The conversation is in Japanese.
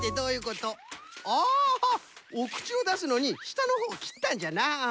ああおくちをだすのにしたのほうきったんじゃな！